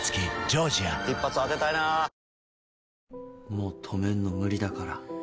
もう止めんの無理だから。